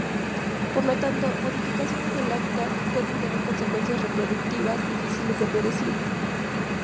Por lo tanto, modificaciones del hábitat pueden tener consecuencias reproductivas difíciles de predecir.